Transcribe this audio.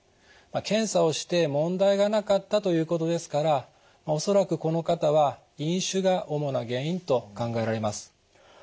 検査をして問題がなかったということですから恐らくこの方は飲酒が主な原因と考えられます。